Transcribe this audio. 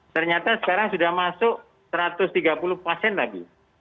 ternyata sekarang sudah masuk satu ratus tiga puluh pasien lagi